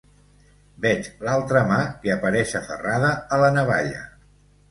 Veig l'altra mà que apareix aferrada a la navalla.